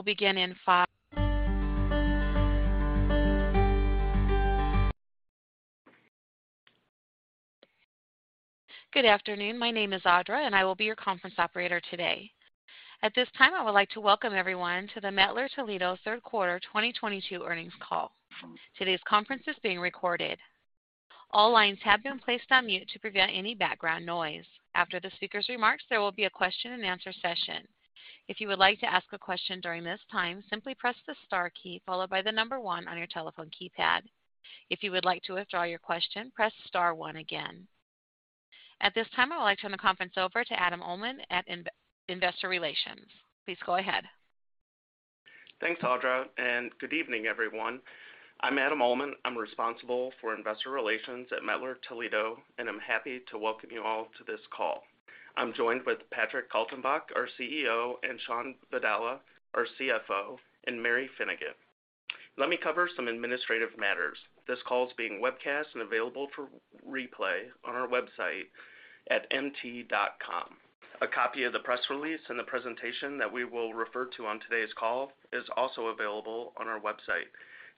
We'll begin in five. Good afternoon. My name is Audra, and I will be your conference operator today. At this time, I would like to welcome everyone to the Mettler-Toledo third quarter 2022 earnings call. Today's conference is being recorded. All lines have been placed on mute to prevent any background noise. After the speaker's remarks, there will be a question-and-answer session. If you would like to ask a question during this time, simply press the star key followed by the number one on your telephone keypad. If you would like to withdraw your question, press star one again. At this time, I would like to turn the conference over to Adam Uhlman at Investor Relations. Please go ahead. Thanks, Audra, and good evening, everyone. I'm Adam Uhlman. I'm responsible for investor relations at Mettler-Toledo, and I'm happy to welcome you all to this call. I'm joined with Patrick Kaltenbach, our CEO, and Shawn Vadala, our CFO, and Mary Finnegan. Let me cover some administrative matters. This call is being webcast and available for replay on our website at mt.com. A copy of the press release and the presentation that we will refer to on today's call is also available on our website.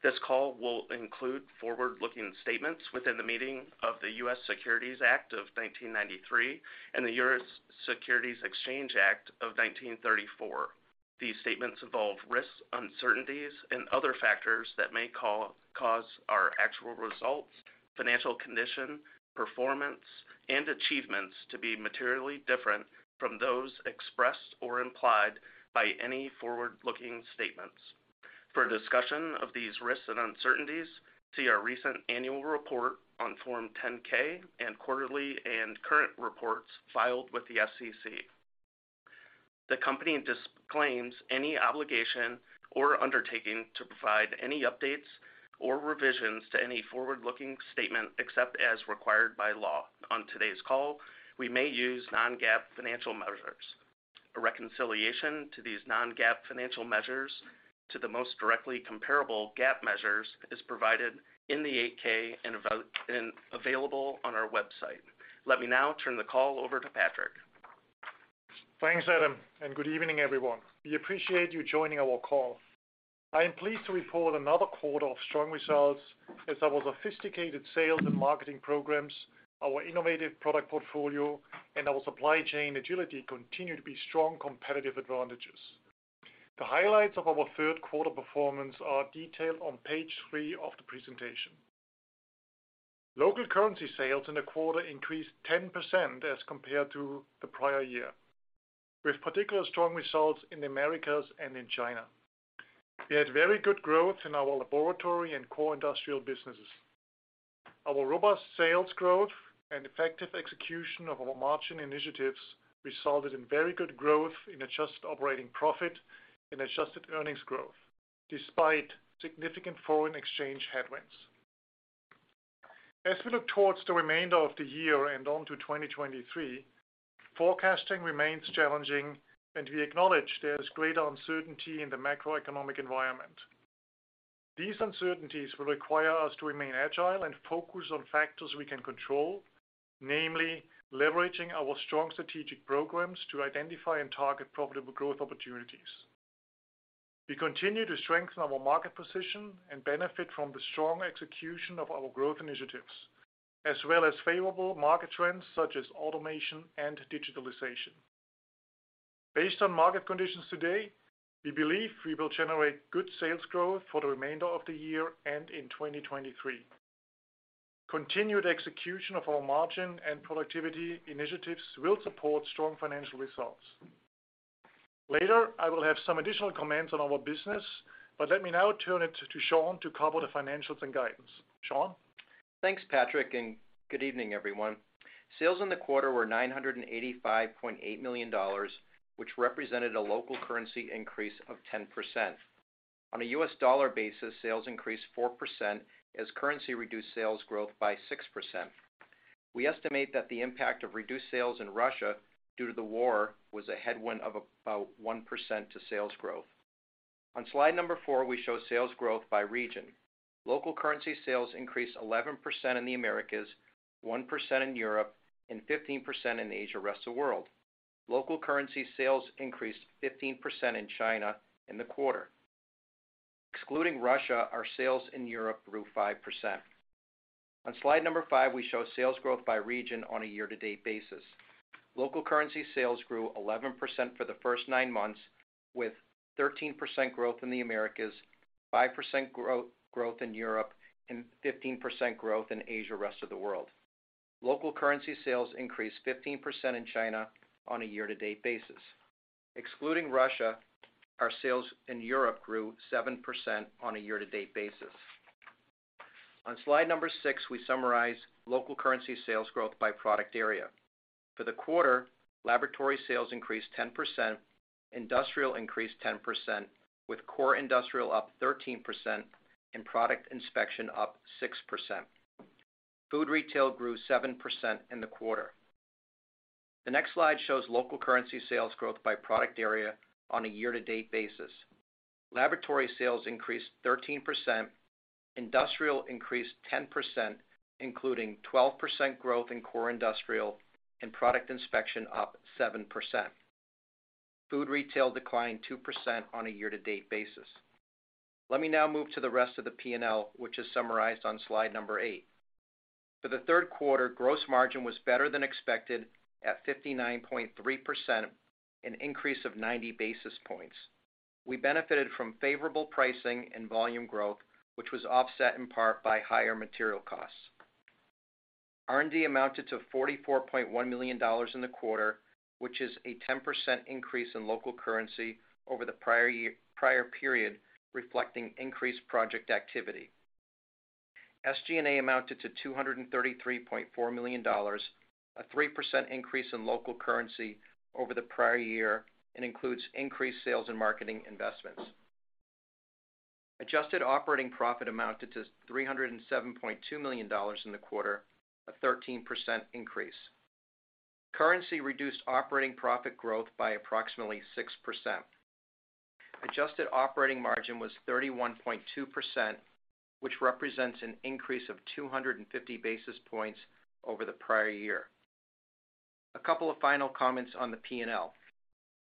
This call will include forward-looking statements within the meaning of the U.S. Securities Act of 1933 and the U.S. Securities Exchange Act of 1934. These statements involve risks, uncertainties, and other factors that may cause our actual results, financial condition, performance, and achievements to be materially different from those expressed or implied by any forward-looking statements. For a discussion of these risks and uncertainties, see our recent annual report on Form 10-K and quarterly and current reports filed with the SEC. The company disclaims any obligation or undertaking to provide any updates or revisions to any forward-looking statement, except as required by law. On today's call, we may use non-GAAP financial measures. A reconciliation of these non-GAAP financial measures to the most directly comparable GAAP measures is provided in the 8-K and available on our website. Let me now turn the call over to Patrick. Thanks, Adam, and good evening, everyone. We appreciate you joining our call. I am pleased to report another quarter of strong results as our sophisticated sales and marketing programs, our innovative product portfolio, and our supply chain agility continue to be strong competitive advantages. The highlights of our third quarter performance are detailed on page 3 of the presentation. Local currency sales in the quarter increased 10% as compared to the prior year, with particularly strong results in the Americas and in China. We had very good growth in our Laboratory and Core Industrial businesses. Our robust sales growth and effective execution of our margin initiatives resulted in very good growth in adjusted operating profit and adjusted earnings growth, despite significant foreign exchange headwinds. As we look towards the remainder of the year and on to 2023, forecasting remains challenging, and we acknowledge there is greater uncertainty in the macroeconomic environment. These uncertainties will require us to remain agile and focus on factors we can control, namely leveraging our strong strategic programs to identify and target profitable growth opportunities. We continue to strengthen our market position and benefit from the strong execution of our growth initiatives, as well as favorable market trends such as automation and digitalization. Based on market conditions today, we believe we will generate good sales growth for the remainder of the year and in 2023. Continued execution of our margin and productivity initiatives will support strong financial results. Later, I will have some additional comments on our business, but let me now turn it to Shawn to cover the financials and guidance. Shawn. Thanks, Patrick, and good evening, everyone. Sales in the quarter were $985.8 million, which represented a local currency increase of 10%. On a U.S. dollar basis, sales increased 4% as currency reduced sales growth by 6%. We estimate that the impact of reduced sales in Russia due to the war was a headwind of about 1% to sales growth. On slide 4, we show sales growth by region. Local currency sales increased 11% in the Americas, 1% in Europe, and 15% in the Asia Rest of World. Local currency sales increased 15% in China in the quarter. Excluding Russia, our sales in Europe grew 5%. On slide 5, we show sales growth by region on a year-to-date basis. Local currency sales grew 11% for the first nine months, with 13% growth in the Americas, 5% growth in Europe, and 15% growth in Asia Rest of the World. Local currency sales increased 15% in China on a year-to-date basis. Excluding Russia, our sales in Europe grew 7% on a year-to-date basis. On slide number 6, we summarize local currency sales growth by product area. For the quarter, Laboratory sales increased 10%, Industrial increased 10%, with Core Industrial up 13% and Product Inspection up 6%. Food Retail grew 7% in the quarter. The next slide shows local currency sales growth by product area on a year-to-date basis. Laboratory sales increased 13%. Industrial increased 10%, including 12% growth in Core Industrial and Product Inspection up 7%. Food Retail declined 2% on a year-to-date basis. Let me now move to the rest of the P&L, which is summarized on slide 8. For the third quarter, gross margin was better than expected at 59.3%, an increase of 90 basis points. We benefited from favorable pricing and volume growth, which was offset in part by higher material costs. R&D amounted to $44.1 million in the quarter, which is a 10% increase in local currency over the prior period, reflecting increased project activity. SG&A amounted to $233.4 million, a 3% increase in local currency over the prior year, and includes increased sales and marketing investments. Adjusted operating profit amounted to $307.2 million in the quarter, a 13% increase. Currency reduced operating profit growth by approximately 6%. Adjusted operating margin was 31.2%, which represents an increase of 250 basis points over the prior year. A couple of final comments on the P&L.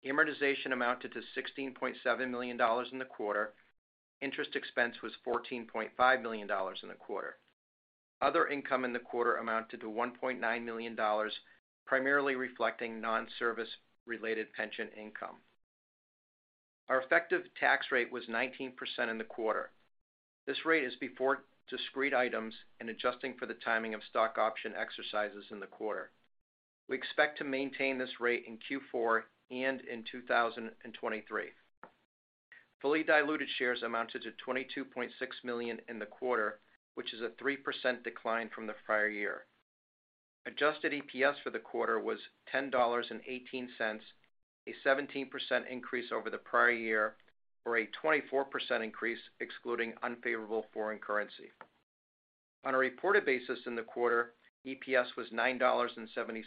Amortization amounted to $16.7 million in the quarter. Interest expense was $14.5 million in the quarter. Other income in the quarter amounted to $1.9 million, primarily reflecting non-service related pension income. Our effective tax rate was 19% in the quarter. This rate is before discrete items and adjusting for the timing of stock option exercises in the quarter. We expect to maintain this rate in Q4 and in 2023. Fully diluted shares amounted to 22.6 million in the quarter, which is a 3% decline from the prior year. Adjusted EPS for the quarter was $10.18, a 17% increase over the prior year, or a 24% increase excluding unfavorable foreign currency. On a reported basis in the quarter, EPS was $9.76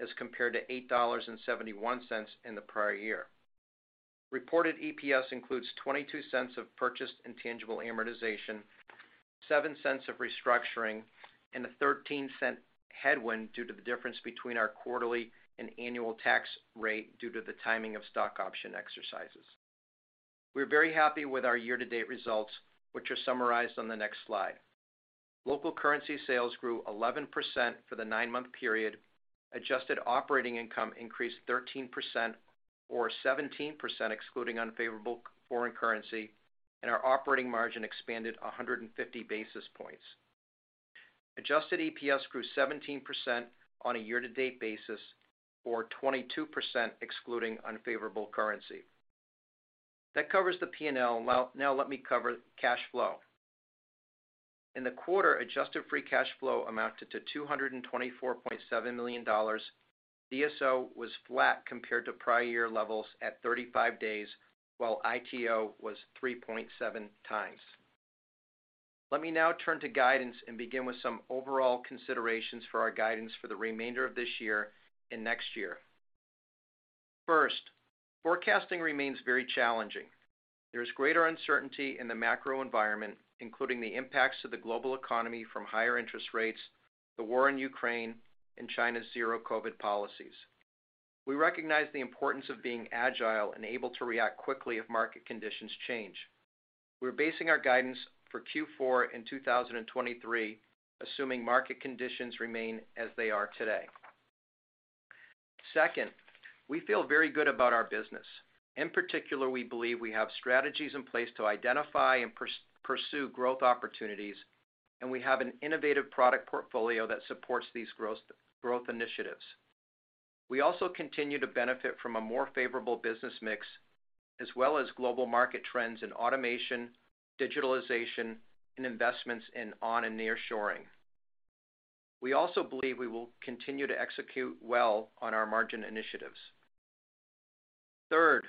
as compared to $8.71 in the prior year. Reported EPS includes $0.22 of purchased intangible amortization, $0.07 of restructuring, and a $0.13 headwind due to the difference between our quarterly and annual tax rate due to the timing of stock option exercises. We're very happy with our year-to-date results, which are summarized on the next slide. Local currency sales grew 11% for the nine-month period. Adjusted operating income increased 13% or 17% excluding unfavorable foreign currency, and our operating margin expanded 150 basis points. Adjusted EPS grew 17% on a year-to-date basis or 22% excluding unfavorable currency. That covers the P&L. Now, let me cover cash flow. In the quarter, adjusted free cash flow amounted to $224.7 million. DSO was flat compared to prior year levels at 35 days, while ITO was 3.7 times. Let me now turn to guidance and begin with some overall considerations for our guidance for the remainder of this year and next year. First, forecasting remains very challenging. There is greater uncertainty in the macro environment, including the impacts to the global economy from higher interest rates, the war in Ukraine, and China's zero-COVID policies. We recognize the importance of being agile and able to react quickly if market conditions change. We're basing our guidance for Q4 2023, assuming market conditions remain as they are today. Second, we feel very good about our business. In particular, we believe we have strategies in place to identify and pursue growth opportunities, and we have an innovative product portfolio that supports these growth initiatives. We also continue to benefit from a more favorable business mix as well as global market trends in automation, digitalization, and investments in onshoring and nearshoring. We also believe we will continue to execute well on our margin initiatives. Third,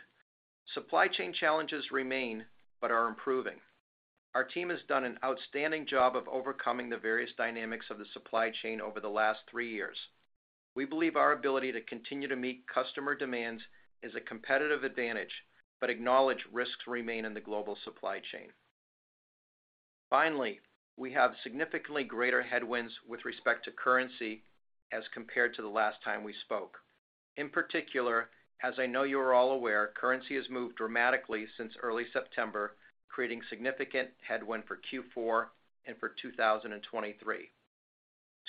supply chain challenges remain but are improving. Our team has done an outstanding job of overcoming the various dynamics of the supply chain over the last three years. We believe our ability to continue to meet customer demands is a competitive advantage but acknowledge risks remain in the global supply chain. Finally, we have significantly greater headwinds with respect to currency as compared to the last time we spoke. In particular, as I know you are all aware, currency has moved dramatically since early September, creating significant headwind for Q4 and for 2023.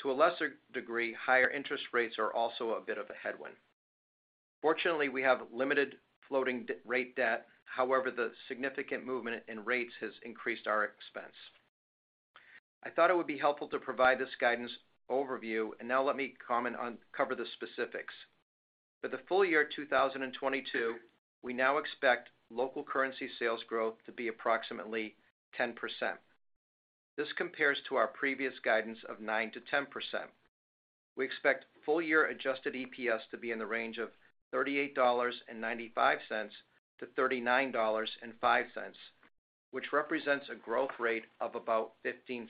To a lesser degree, higher interest rates are also a bit of a headwind. Fortunately, we have limited floating rate debt. However, the significant movement in rates has increased our expense. I thought it would be helpful to provide this guidance overview and now let me cover the specifics. For the full year 2022, we now expect local currency sales growth to be approximately 10%. This compares to our previous guidance of 9%-10%. We expect full year Adjusted EPS to be in the range of $38.95-$39.05, which represents a growth rate of about 15%.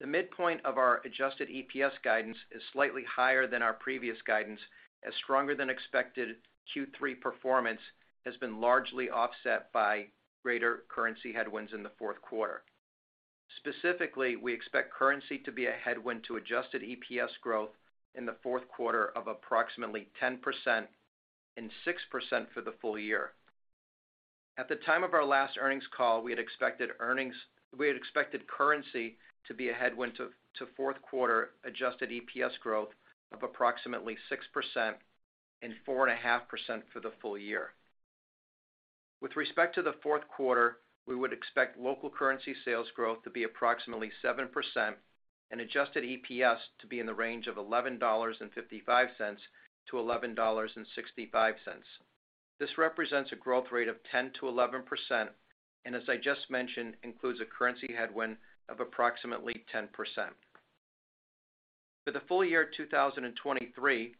The midpoint of our Adjusted EPS guidance is slightly higher than our previous guidance, as stronger than expected Q3 performance has been largely offset by greater currency headwinds in the fourth quarter. Specifically, we expect currency to be a headwind to Adjusted EPS growth in the fourth quarter of approximately 10% and 6% for the full year. At the time of our last earnings call, we had expected currency to be a headwind to fourth quarter Adjusted EPS growth of approximately 6% and 4.5% for the full year. With respect to the fourth quarter, we would expect local currency sales growth to be approximately 7% and Adjusted EPS to be in the range of $11.55-$11.65. This represents a growth rate of 10%-11% and as I just mentioned, includes a currency headwind of approximately 10%. For the full year 2023,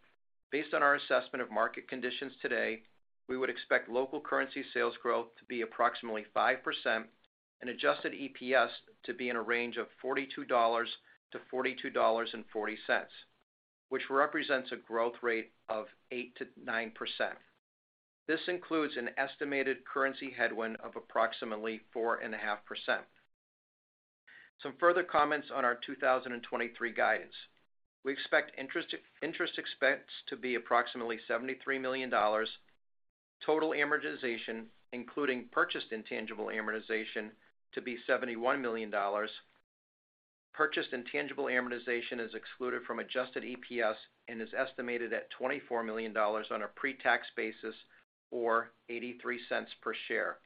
based on our assessment of market conditions today, we would expect local currency sales growth to be approximately 5% and Adjusted EPS to be in a range of $42-$42.40, which represents a growth rate of 8%-9%. This includes an estimated currency headwind of approximately 4.5%. Some further comments on our 2023 guidance. We expect interest expense to be approximately $73 million. Total amortization, including purchased intangible amortization, to be $71 million. Purchased intangible amortization is excluded from Adjusted EPS and is estimated at $24 million on a pre-tax basis, or $0.83 per share.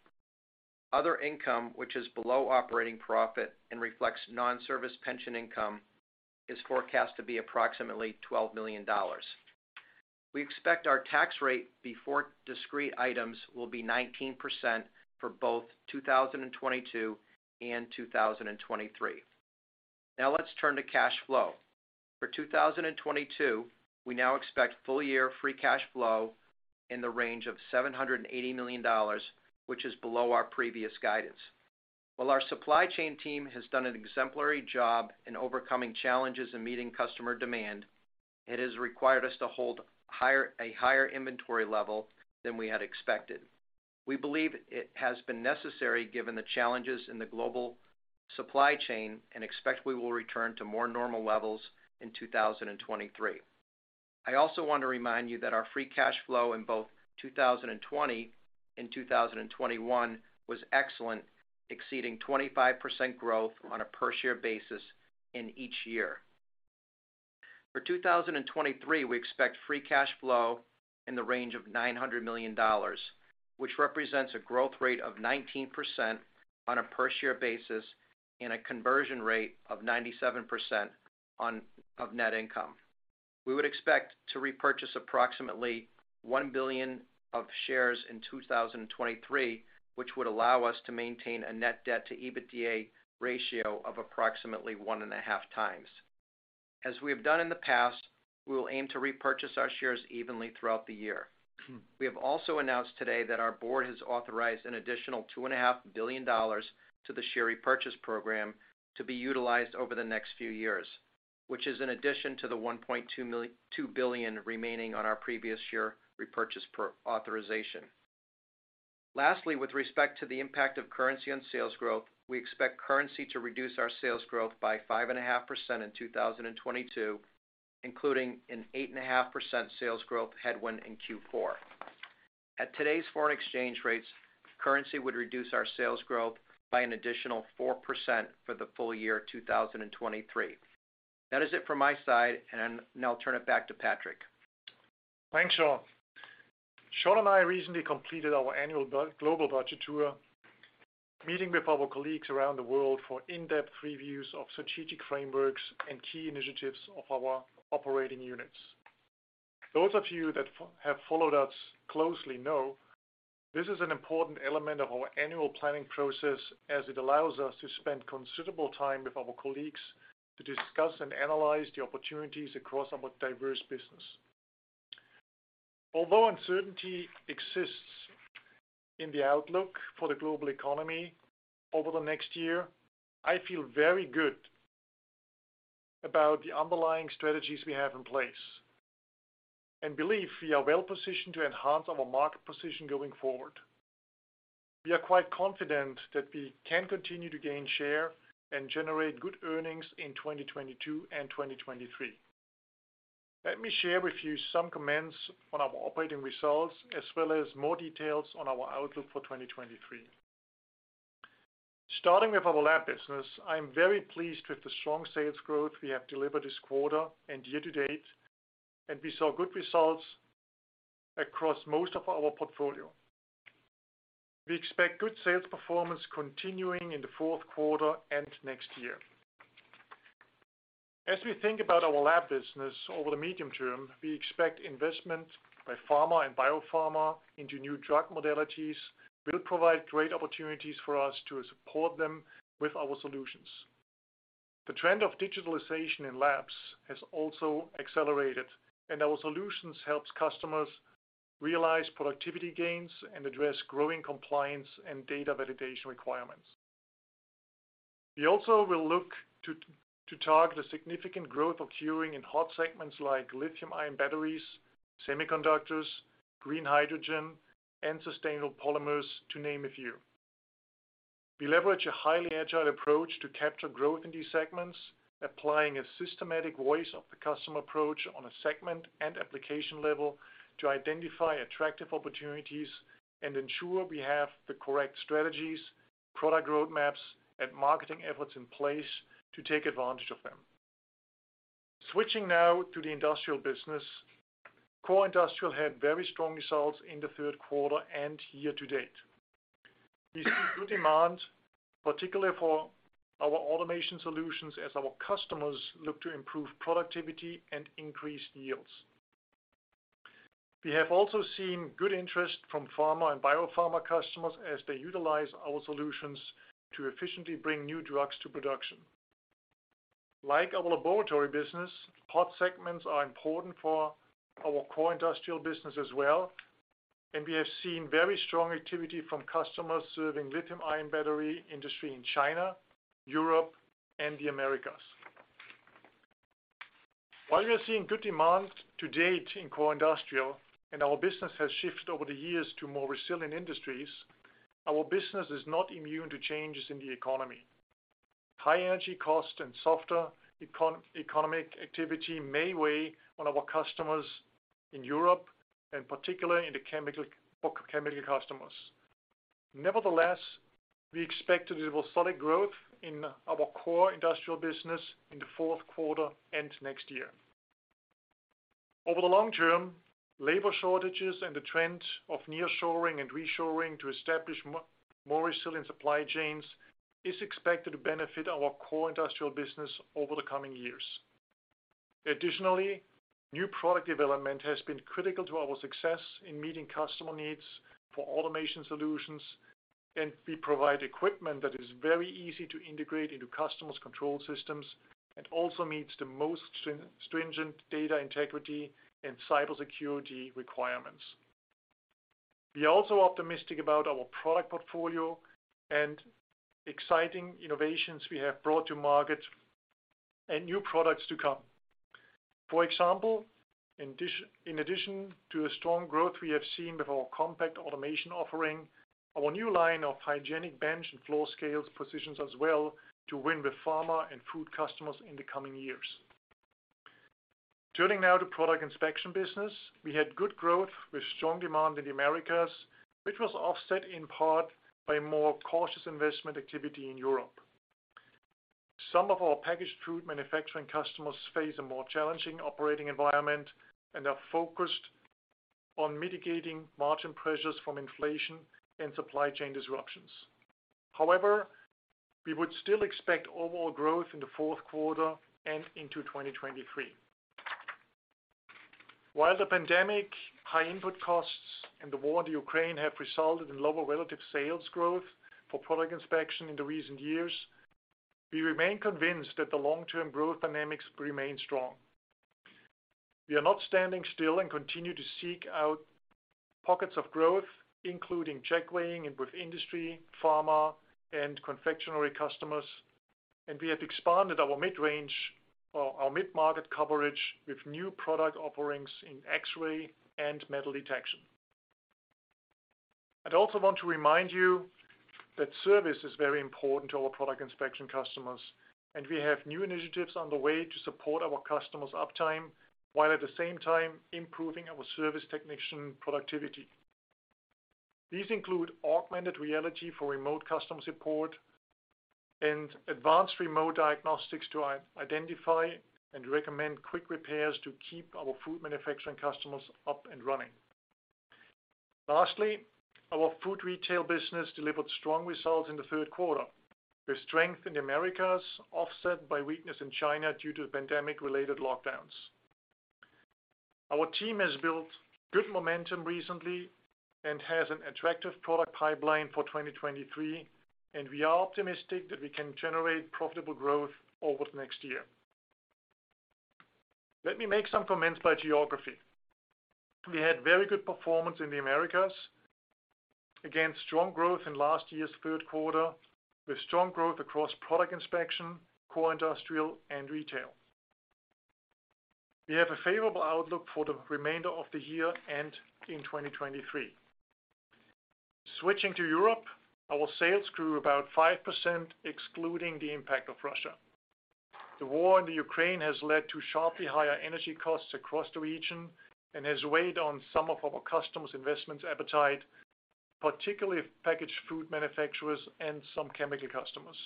Other income, which is below operating profit and reflects non-service pension income, is forecast to be approximately $12 million. We expect our tax rate before discrete items will be 19% for both 2022 and 2023. Now let's turn to cash flow. For 2022, we now expect full year free cash flow in the range of $780 million, which is below our previous guidance. While our supply chain team has done an exemplary job in overcoming challenges and meeting customer demand, it has required us to hold a higher inventory level than we had expected. We believe it has been necessary given the challenges in the global supply chain, and expect we will return to more normal levels in 2023. I also want to remind you that our free cash flow in both 2020 and 2021 was excellent, exceeding 25% growth on a per share basis in each year. For 2023, we expect free cash flow in the range of $900 million, which represents a growth rate of 19% on a per share basis and a conversion rate of 97% of net income. We would expect to repurchase approximately $1 billion of shares in 2023, which would allow us to maintain a net debt to EBITDA ratio of approximately one and a half times. As we have done in the past, we will aim to repurchase our shares evenly throughout the year. We have also announced today that our board has authorized an additional $2.5 billion to the share repurchase program to be utilized over the next few years, which is in addition to the $2 billion remaining on our previous share repurchase authorization. Lastly, with respect to the impact of currency on sales growth, we expect currency to reduce our sales growth by 5.5% in 2022, including an 8.5% sales growth headwind in Q4. At today's foreign exchange rates, currency would reduce our sales growth by an additional 4% for the full year 2023. That is it for my side, and now turn it back to Patrick. Thanks, Shawn. Shawn and I recently completed our annual global budget tour, meeting with our colleagues around the world for in-depth reviews of strategic frameworks and key initiatives of our operating units. Those of you that have followed us closely know this is an important element of our annual planning process as it allows us to spend considerable time with our colleagues to discuss and analyze the opportunities across our diverse business. Although uncertainty exists in the outlook for the global economy over the next year, I feel very good about the underlying strategies we have in place, and believe we are well positioned to enhance our market position going forward. We are quite confident that we can continue to gain share and generate good earnings in 2022 and 2023. Let me share with you some comments on our operating results, as well as more details on our outlook for 2023. Starting with our lab business, I am very pleased with the strong sales growth we have delivered this quarter and year to date, and we saw good results across most of our portfolio. We expect good sales performance continuing in the fourth quarter and next year. As we think about our lab business over the medium term, we expect investment by pharma and biopharma into new drug modalities will provide great opportunities for us to support them with our solutions. The trend of digitalization in labs has also accelerated, and our solutions helps customers realize productivity gains and address growing compliance and data validation requirements. We also will look to target a significant growth occurring in hot segments like lithium-ion batteries, semiconductors, green hydrogen, and sustainable polymers, to name a few. We leverage a highly agile approach to capture growth in these segments, applying a systematic voice of the customer approach on a segment and application level to identify attractive opportunities and ensure we have the correct strategies, product roadmaps and marketing efforts in place to take advantage of them. Switching now to the industrial business. Core Industrial had very strong results in the third quarter and year to date. We see good demand, particularly for our automation solutions as our customers look to improve productivity and increase yields. We have also seen good interest from pharma and biopharma customers as they utilize our solutions to efficiently bring new drugs to production. Like our Laboratory business, hot segments are important for our Core Industrial business as well, and we have seen very strong activity from customers serving lithium ion battery industry in China, Europe and the Americas. While we are seeing good demand to date in Core Industrial and our business has shifted over the years to more resilient industries, our business is not immune to changes in the economy. High energy cost and softer economic activity may weigh on our customers in Europe and particularly in the chemical for chemical customers. Nevertheless, we expect visible solid growth in our Core Industrial business in the fourth quarter and next year. Over the long term, labor shortages and the trend of nearshoring and reshoring to establish more resilient supply chains is expected to benefit our Core Industrial business over the coming years. Additionally, new product development has been critical to our success in meeting customer needs for automation solutions, and we provide equipment that is very easy to integrate into customers' control systems and also meets the most stringent data integrity and cybersecurity requirements. We are also optimistic about our product portfolio and exciting innovations we have brought to market and new products to come. For example, in addition to the strong growth we have seen with our compact automation offering, our new line of hygienic bench and floor scales positions us well to win with pharma and food customers in the coming years. Turning now to Product Inspection business. We had good growth with strong demand in the Americas, which was offset in part by more cautious investment activity in Europe. Some of our packaged food manufacturing customers face a more challenging operating environment and are focused on mitigating margin pressures from inflation and supply chain disruptions. However, we would still expect overall growth in the fourth quarter and into 2023. While the pandemic, high input costs and the war in the Ukraine have resulted in lower relative sales growth for Product Inspection in the recent years, we remain convinced that the long-term growth dynamics remain strong. We are not standing still and continue to seek out pockets of growth, including Checkweighing and with industry, pharma and confectionery customers. We have expanded our mid-range or our mid-market coverage with new product offerings in X-ray and Metal Detection. I'd also want to remind you that service is very important to our Product Inspection customers, and we have new initiatives on the way to support our customers' uptime while at the same time improving our service technician productivity. These include augmented reality for remote customer support and advanced remote diagnostics to identify and recommend quick repairs to keep our food manufacturing customers up and running. Lastly, our Food Retail business delivered strong results in the third quarter, with strength in the Americas offset by weakness in China due to pandemic-related lockdowns. Our team has built good momentum recently and has an attractive product pipeline for 2023, and we are optimistic that we can generate profitable growth over the next year. Let me make some comments by geography. We had very good performance in the Americas. Again, strong growth in last year's third quarter, with strong growth across Product Inspection, Core Industrial and retail. We have a favorable outlook for the remainder of the year and in 2023. Switching to Europe, our sales grew about 5%, excluding the impact of Russia. The war in the Ukraine has led to sharply higher energy costs across the region and has weighed on some of our customers' investment appetite, particularly packaged food manufacturers and some chemical customers.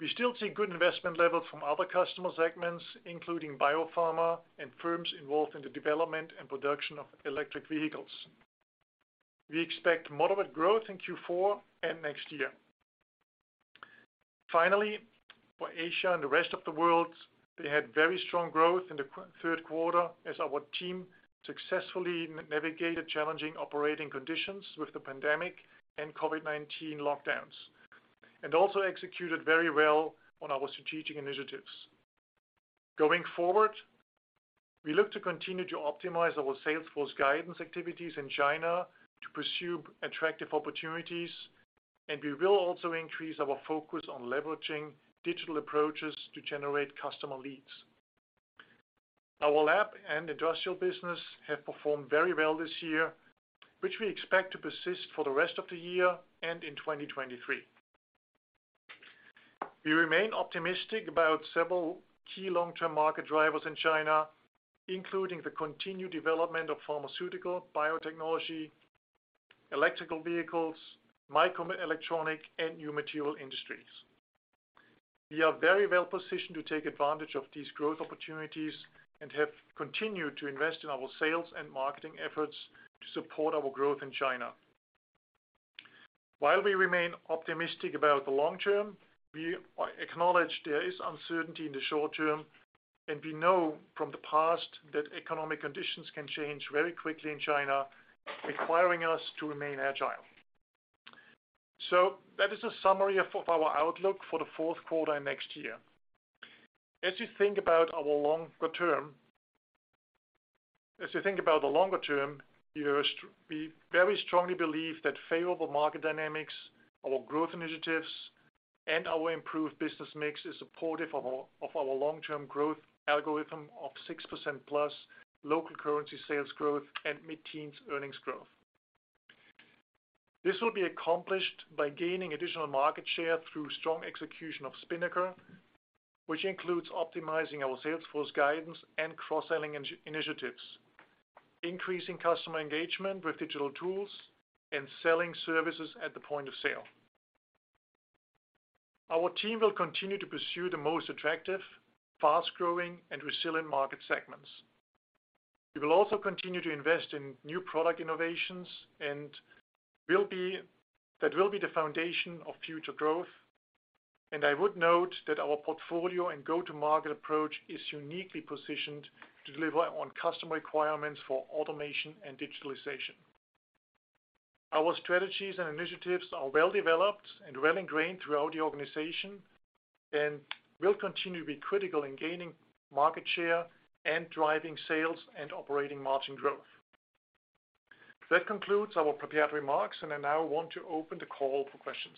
We still see good investment levels from other customer segments, including biopharma and firms involved in the development and production of electric vehicles. We expect moderate growth in Q4 and next year. Finally, for Asia and the rest of the world, they had very strong growth in the third quarter as our team successfully navigated challenging operating conditions with the pandemic and COVID-19 lockdowns. Also executed very well on our strategic initiatives. Going forward, we look to continue to optimize our sales force guidance activities in China to pursue attractive opportunities, and we will also increase our focus on leveraging digital approaches to generate customer leads. Our lab and industrial business have performed very well this year, which we expect to persist for the rest of the year and in 2023. We remain optimistic about several key long-term market drivers in China, including the continued development of pharmaceutical, biotechnology, electric vehicles, microelectronics, and new material industries. We are very well positioned to take advantage of these growth opportunities and have continued to invest in our sales and marketing efforts to support our growth in China. While we remain optimistic about the long term, we acknowledge there is uncertainty in the short term, and we know from the past that economic conditions can change very quickly in China, requiring us to remain agile. That is a summary of our outlook for the fourth quarter next year. As you think about the longer term, we very strongly believe that favorable market dynamics, our growth initiatives, and our improved business mix is supportive of our long-term growth algorithm of 6% plus local currency sales growth and mid-teens earnings growth. This will be accomplished by gaining additional market share through strong execution of Spinnaker, which includes optimizing our sales force guidance and cross-selling initiatives, increasing customer engagement with digital tools, and selling services at the point of sale. Our team will continue to pursue the most attractive, fast-growing, and resilient market segments. We will also continue to invest in new product innovations that will be the foundation of future growth. I would note that our portfolio and go-to-market approach is uniquely positioned to deliver on customer requirements for automation and digitalization. Our strategies and initiatives are well developed and well ingrained throughout the organization and will continue to be critical in gaining market share and driving sales and operating margin growth. That concludes our prepared remarks, and I now want to open the call for questions.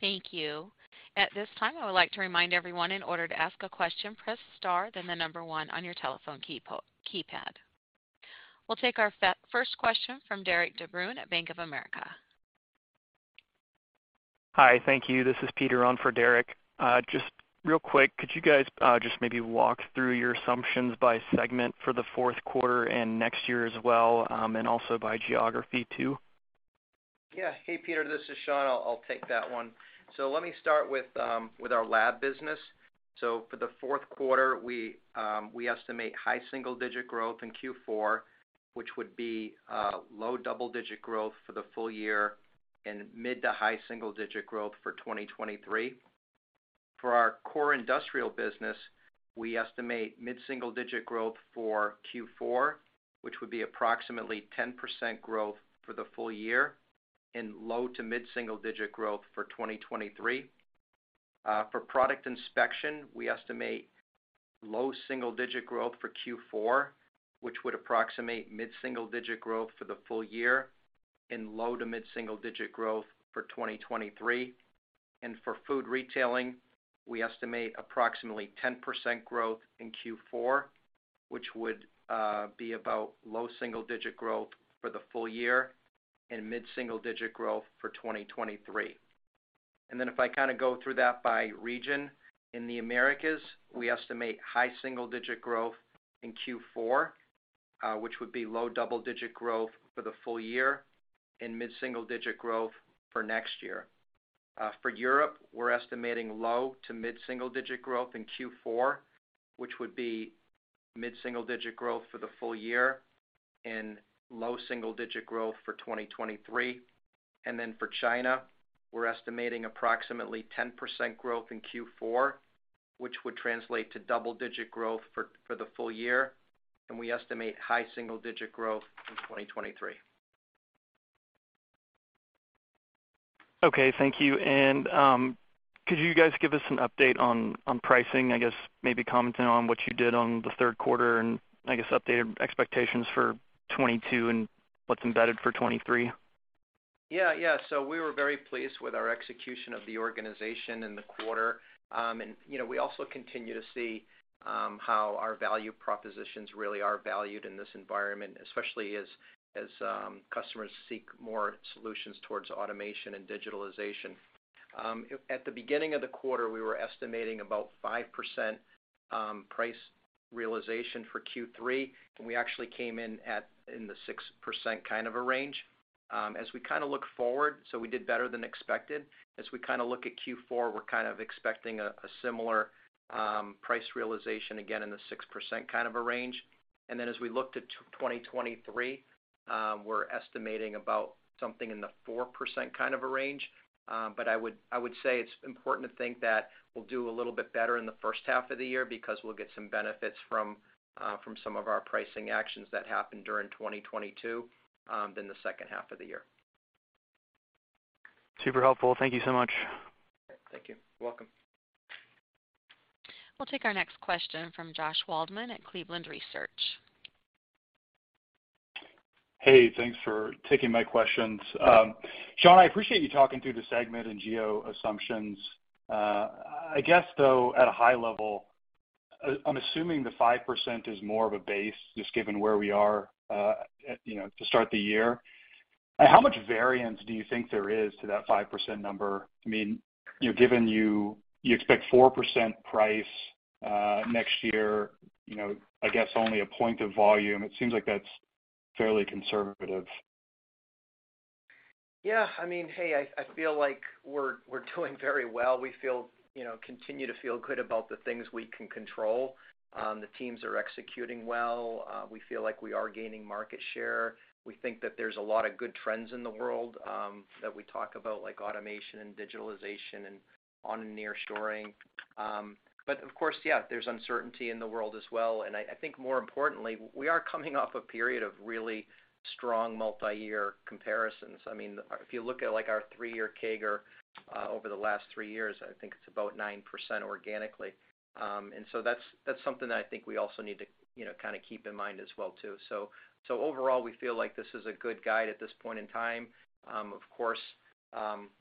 Thank you. At this time, I would like to remind everyone in order to ask a question, press Star, then the number one on your telephone keypad. We'll take our first question from Derik De Bruin at Bank of America. Hi. Thank you. This is Peter on for Derik De Bruin. Just real quick, could you guys just maybe walk through your assumptions by segment for the fourth quarter and next year as well, and also by geography too? Hey, Peter, this is Shawn. I'll take that one. Let me start with our lab business. For the fourth quarter, we estimate high single-digit growth in Q4, which would be low double-digit growth for the full year and mid- to high-single-digit growth for 2023. For our Core Industrial business, we estimate mid-single-digit growth for Q4, which would be approximately 10% growth for the full year and low- to mid-single-digit growth for 2023. For Product Inspection, we estimate low single-digit growth for Q4, which would approximate mid-single-digit growth for the full year and low- to mid-single-digit growth for 2023. For Food Retail, we estimate approximately 10% growth in Q4, which would be about low single-digit growth for the full year and mid-single-digit growth for 2023. If I kind of go through that by region. In the Americas, we estimate high single-digit growth in Q4, which would be low double-digit growth for the full year and mid-single digit growth for next year. For Europe, we're estimating low to mid-single digit growth in Q4, which would be mid-single digit growth for the full year and low single digit growth for 2023. For China, we're estimating approximately 10% growth in Q4, which would translate to double-digit growth for the full year. We estimate high single-digit growth in 2023. Okay. Thank you. Could you guys give us an update on pricing, I guess maybe commenting on what you did in the third quarter and I guess updated expectations for 2022 and what's embedded for 2023? We were very pleased with our execution of the organization in the quarter. You know, we also continue to see how our value propositions really are valued in this environment, especially as customers seek more solutions towards automation and digitalization. At the beginning of the quarter, we were estimating about 5% price realization for Q3, and we actually came in in the 6% kind of a range. As we kind of look forward, we did better than expected. As we kind of look at Q4, we're kind of expecting a similar price realization, again, in the 6% kind of a range. As we look to 2023, we're estimating about something in the 4% kind of a range. I would say it's important to think that we'll do a little bit better in the first half of the year because we'll get some benefits from some of our pricing actions that happened during 2022 than the second half of the year. Super helpful. Thank you so much. Thank you. Welcome. We'll take our next question from Joshua Waldman at Cleveland Research. Hey, thanks for taking my questions. Shawn, I appreciate you talking through the segment and geo assumptions. I guess though, at a high level, I'm assuming the 5% is more of a base, just given where we are, you know, to start the year. How much variance do you think there is to that 5% number? I mean, you know, given you expect 4% price, next year, you know, I guess only a point of volume. It seems like that's fairly conservative. Yeah. I mean, hey, I feel like we're doing very well. We feel, you know, continue to feel good about the things we can control. The teams are executing well. We feel like we are gaining market share. We think that there's a lot of good trends in the world, that we talk about, like automation and digitalization and on nearshoring. Of course, yeah, there's uncertainty in the world as well. I think more importantly, we are coming off a period of really strong multi-year comparisons. I mean, if you look at, like, our three-year CAGR, over the last three years, I think it's about 9% organically. That's something that I think we also need to, you know, kind of keep in mind as well too. Overall, we feel like this is a good guide at this point in time. Of course,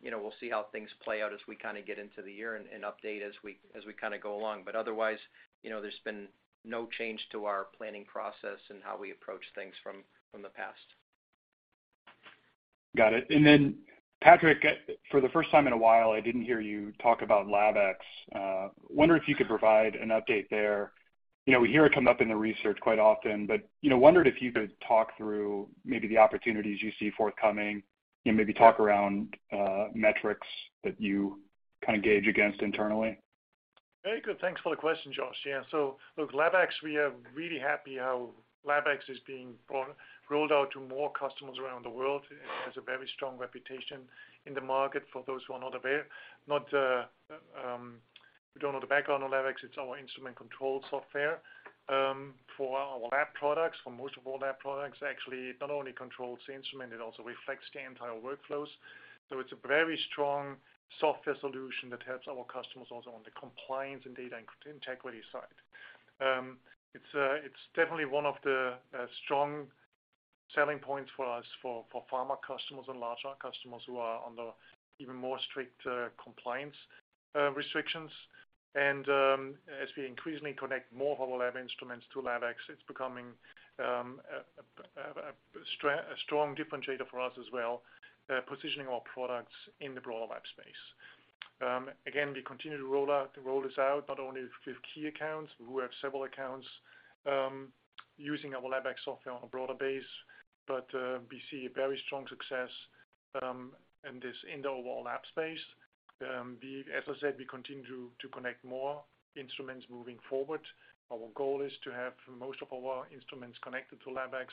you know, we'll see how things play out as we kind of get into the year and update as we kind of go along. Otherwise, you know, there's been no change to our planning process and how we approach things from the past. Got it. Patrick, for the first time in a while, I didn't hear you talk about LabX. Wondering if you could provide an update there. You know, we hear it come up in the research quite often, but, you know, wondered if you could talk through maybe the opportunities you see forthcoming and maybe talk around, metrics that you kind of gauge against internally. Very good. Thanks for the question, Josh. Yeah. Look, LabX, we are really happy how LabX is being rolled out to more customers around the world. It has a very strong reputation in the market. For those who are not aware, who don't know the background on LabX, it's our instrument control software for our lab products. For most of our lab products, actually, it not only controls the instrument, it also reflects the entire workflows. It's a very strong software solution that helps our customers also on the compliance and data integrity side. It's definitely one of the strong selling points for us for pharma customers and larger customers who are under even more strict compliance restrictions. As we increasingly connect more of our lab instruments to LabX, it's becoming a strong differentiator for us as well, positioning our products in the broader lab space. Again, we continue to roll this out not only with key accounts. We have several accounts using our LabX software on a broader base, but we see a very strong success in the overall lab space. As I said, we continue to connect more instruments moving forward. Our goal is to have most of our instruments connected to LabX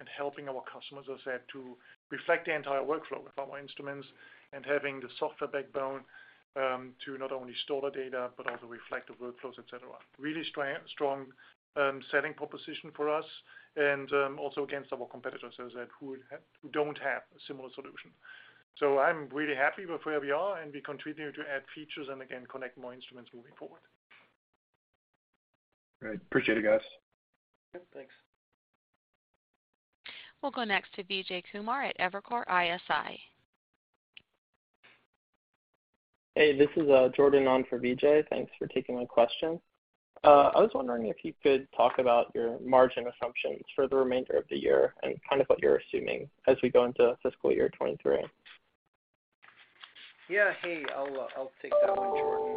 and helping our customers, as I said, to reflect the entire workflow with our instruments and having the software backbone to not only store the data, but also reflect the workflows, et cetera. Really strong selling proposition for us and also against our competitors, as I said, who don't have a similar solution. I'm really happy with where we are, and we continue to add features and again, connect more instruments moving forward. Great. Appreciate it, guys. Yeah. Thanks. We'll go next to Vijay Kumar at Evercore ISI. Hey, this is Jordan on for Vijay. Thanks for taking my question. I was wondering if you could talk about your margin assumptions for the remainder of the year and kind of what you're assuming as we go into fiscal year 2023. Yeah. Hey, I'll take that one, Jordan.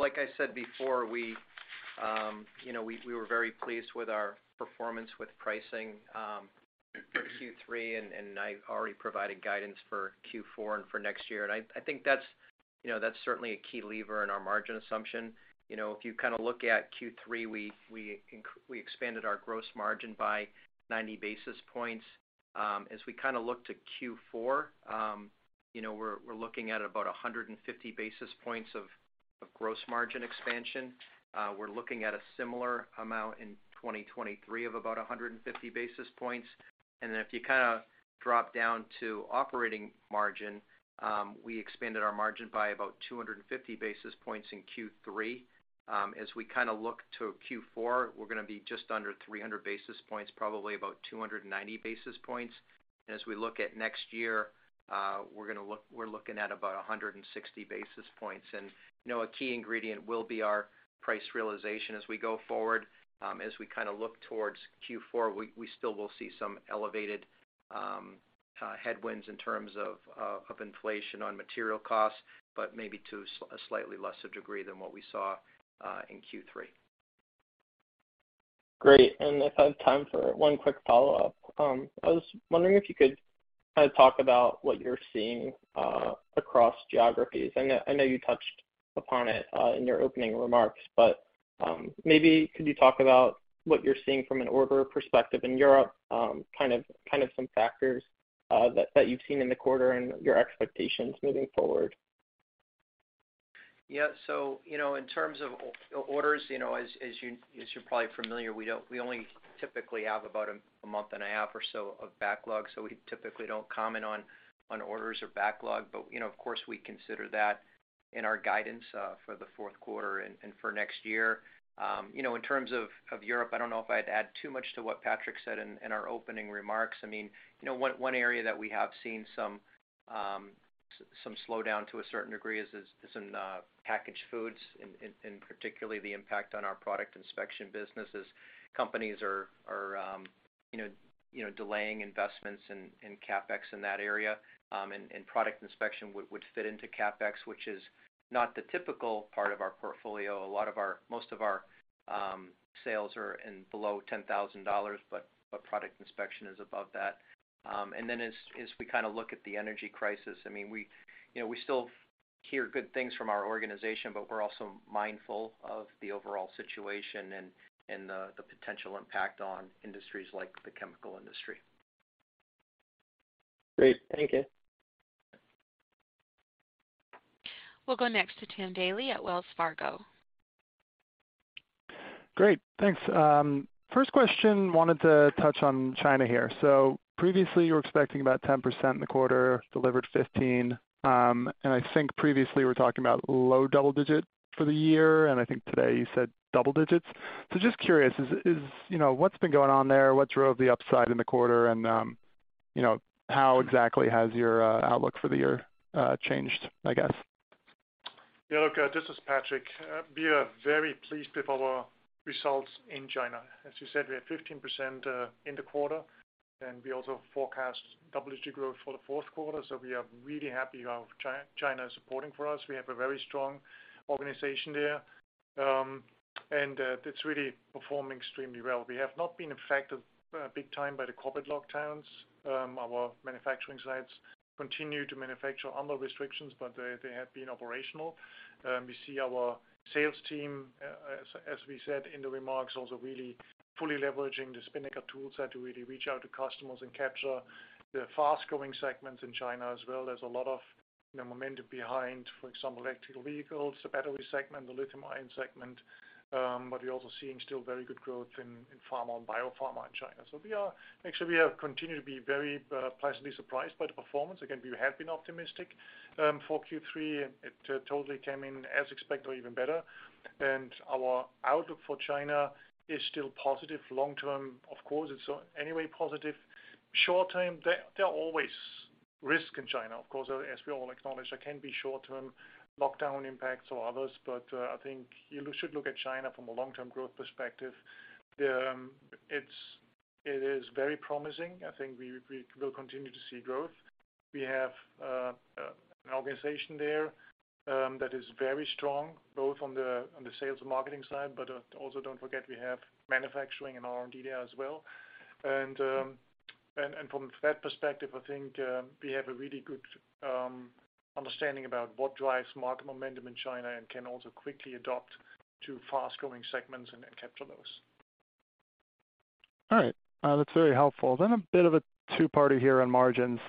Like I said before, you know, we were very pleased with our performance with pricing for Q3, and I already provided guidance for Q4 and for next year. I think that's certainly a key lever in our margin assumption. You know, if you kind of look at Q3, we expanded our gross margin by 90 basis points. As we kind of look to Q4, you know, we're looking at about 150 basis points of gross margin expansion. We're looking at a similar amount in 2023 of about 150 basis points. Then if you kind of drop down to operating margin, we expanded our margin by about 250 basis points in Q3. As we kind of look to Q4, we're gonna be just under 300 basis points, probably about 290 basis points. You know, a key ingredient will be our price realization as we go forward. As we kind of look towards Q4, we still will see some elevated headwinds in terms of of inflation on material costs, but maybe to a slightly lesser degree than what we saw in Q3. Great. If I have time for one quick follow-up. I was wondering if you could kind of talk about what you're seeing across geographies. I know you touched upon it in your opening remarks, but maybe could you talk about what you're seeing from an order perspective in Europe, kind of some factors that you've seen in the quarter and your expectations moving forward? Yeah. You know, in terms of orders, you know, as you're probably familiar, we don't, we only typically have about a month and a half or so of backlog. We typically don't comment on orders or backlog. You know, of course, we consider that in our guidance for the fourth quarter and for next year. You know, in terms of Europe, I don't know if I'd add too much to what Patrick said in our opening remarks. I mean, you know, one area that we have seen some slowdown to a certain degree is in packaged foods, and particularly the impact on our Product Inspection business as companies are you know delaying investments in CapEx in that area. Product Inspection would fit into CapEx, which is not the typical part of our portfolio. Most of our sales are below $10,000, but Product Inspection is above that. As we kinda look at the energy crisis, I mean, we, you know, still hear good things from our organization, but we're also mindful of the overall situation and the potential impact on industries like the chemical industry. Great. Thank you. We'll go next to Timothy Daley at Wells Fargo. Great. Thanks. First question, wanted to touch on China here. Previously, you were expecting about 10% in the quarter, delivered 15. I think previously we're talking about low double digit for the year, and I think today you said double digits. Just curious, you know, what's been going on there? What drove the upside in the quarter? And you know, how exactly has your outlook for the year changed, I guess? Yeah, look, this is Patrick. We are very pleased with our results in China. As you said, we have 15% in the quarter, and we also forecast double-digit growth for the fourth quarter. We are really happy how China is supporting for us. We have a very strong organization there. It's really performing extremely well. We have not been affected big time by the COVID lockdowns. Our manufacturing sites continue to manufacture under restrictions, but they have been operational. We see our sales team, as we said in the remarks, also really fully leveraging the Spinnaker tool set to really reach out to customers and capture the fast-growing segments in China as well. There's a lot of, you know, momentum behind, for example, electric vehicles, the battery segment, the lithium-ion segment. We're also seeing still very good growth in pharma and biopharma in China. Actually, we have continued to be very pleasantly surprised by the performance. Again, we have been optimistic for Q3, and it totally came in as expected or even better. Our outlook for China is still positive long-term. Of course, it's anyway positive. Short-term, there are always risk in China. Of course, as we all acknowledge, there can be short-term lockdown impacts or others. I think you should look at China from a long-term growth perspective. It is very promising. I think we will continue to see growth. We have an organization there that is very strong, both on the sales and marketing side, but also don't forget we have manufacturing and R&D there as well. From that perspective, I think we have a really good understanding about what drives market momentum in China and can also quickly adapt to fast-growing segments and capture those. All right. That's very helpful. A bit of a two-parter here on margins.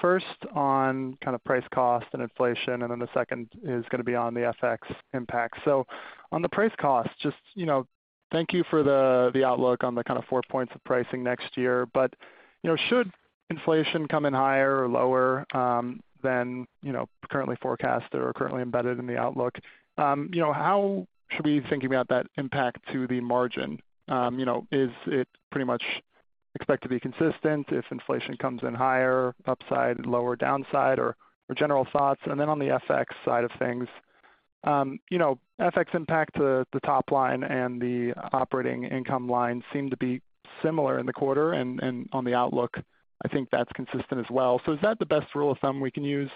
First on kinda price cost and inflation, and then the second is gonna be on the FX impact. On the price cost, just, you know, thank you for the outlook on the kinda four points of pricing next year. You know, should inflation come in higher or lower, than, you know, currently forecast or currently embedded in the outlook, you know, how should we be thinking about that impact to the margin? You know, is it pretty much expect to be consistent if inflation comes in higher, upside, lower downside, or general thoughts? Then on the FX side of things, you know, FX impact to the top line and the operating income line seem to be similar in the quarter and on the outlook, I think that's consistent as well. So is that the best rule of thumb we can use,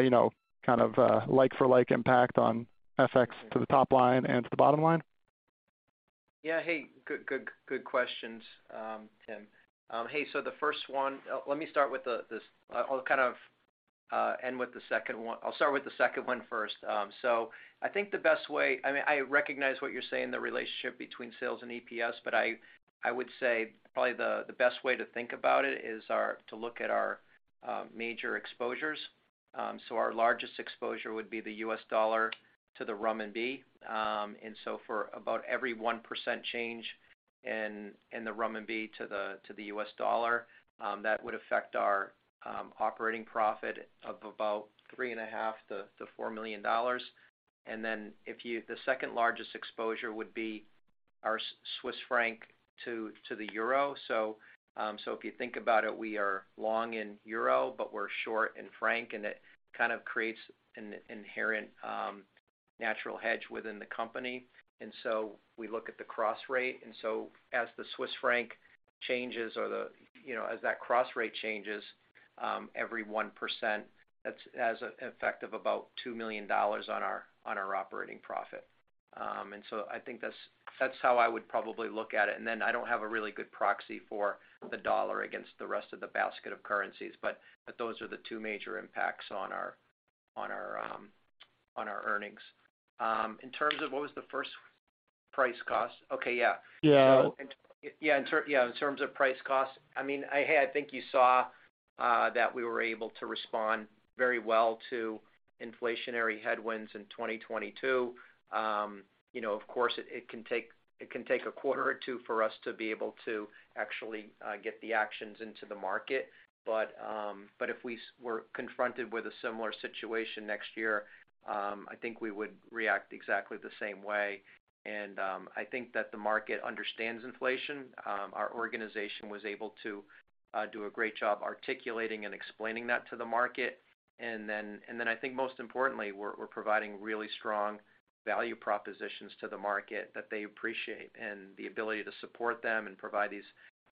you know, kind of, like-for-like impact on FX to the top line and to the bottom line? Yeah. Hey, good questions, Tim. Hey, so the first one, let me start with. I'll kind of end with the second one. I'll start with the second one first. I think the best way. I mean, I recognize what you're saying, the relationship between sales and EPS, but I would say probably the best way to think about it is to look at our major exposures. Our largest exposure would be the US dollar to the renminbi. For about every 1% change in the renminbi to the US dollar, that would affect our operating profit of about $3.5 million-$4 million. The second largest exposure would be our Swiss franc to the euro. If you think about it, we are long in euro, but we're short in Swiss franc, and it kind of creates an inherent natural hedge within the company. We look at the cross rate. As the Swiss franc changes or the, you know, as that cross rate changes, every 1%, that has an effect of about $2 million on our operating profit. I think that's how I would probably look at it. I don't have a really good proxy for the US dollar against the rest of the basket of currencies, but those are the two major impacts on our earnings. In terms of what was the first price costs. Okay, yeah. Yeah. Yeah, in terms of price costs, I mean, I think you saw that we were able to respond very well to inflationary headwinds in 2022. You know, of course, it can take a quarter or two for us to be able to actually get the actions into the market. If we were confronted with a similar situation next year, I think we would react exactly the same way. I think that the market understands inflation. Our organization was able to do a great job articulating and explaining that to the market. I think most importantly, we're providing really strong value propositions to the market that they appreciate. The ability to support them and provide these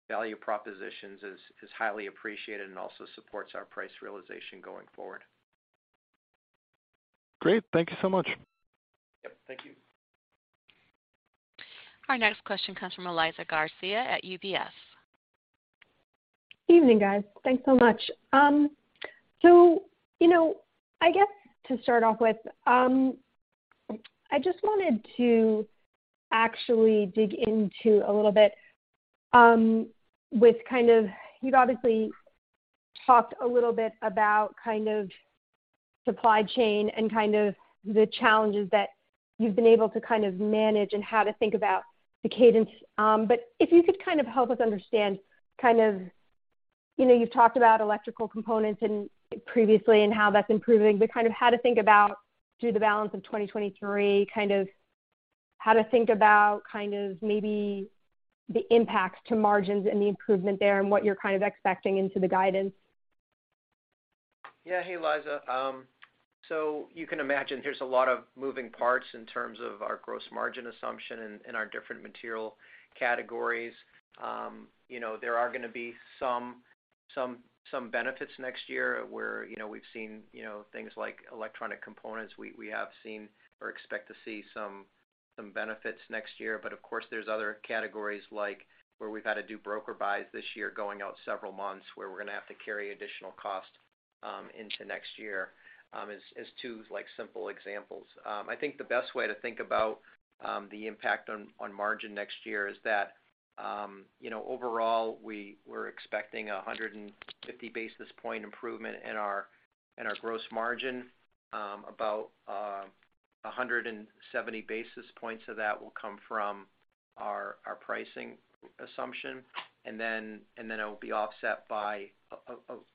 value propositions is highly appreciated and also supports our price realization going forward. Great. Thank you so much. Yep. Thank you. Our next question comes from Dan Leonard at UBS. Evening, guys. Thanks so much. You know, I guess to start off with, I just wanted to actually dig into a little bit. You've obviously talked a little bit about kind of supply chain and kind of the challenges that you've been able to kind of manage and how to think about the cadence. If you could kind of help us understand kind of, you know, you've talked about electrical components and previously and how that's improving, but kind of how to think about through the balance of 2023, kind of how to think about kind of maybe the impacts to margins and the improvement there and what you're kind of expecting into the guidance? Yeah. Hey, Dan Leonard. So you can imagine there's a lot of moving parts in terms of our gross margin assumption in our different material categories. You know, there are gonna be some benefits next year where, you know, we've seen things like electronic components. We have seen or expect to see some benefits next year. But of course, there's other categories like where we've had to do broker buys this year going out several months, where we're gonna have to carry additional cost into next year, as two, like, simple examples. I think the best way to think about the impact on margin next year is that, you know, overall, we're expecting 150 basis point improvement in our gross margin. About 170 basis points of that will come from our pricing assumption, and then it will be offset by